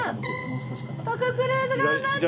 徳クルーズ頑張って！